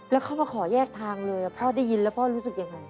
แล้วเขามาขอแยกทางเลยพ่อได้ยินแล้วพ่อรู้สึกยังไง